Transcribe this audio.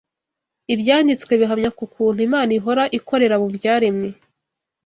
Ibyanditswe bihamya ku kuntu Imana ihora ikorera mu byaremwe